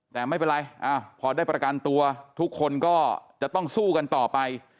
แต่ไม่เป็นไรพอได้ประกันตัวทุกคนก็จะต้องสู้กันต่อไป